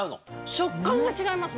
食感が違います